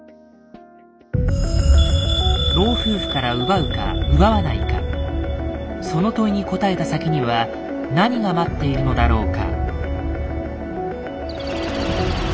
老夫婦から奪うか奪わないかその「問い」に答えた先には何が待っているのだろうか。